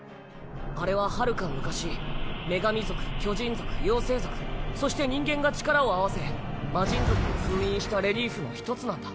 あれははるか昔女神族巨人族妖精族そして人間が力を合わせ魔神族を封印したレリーフの一つなんだ。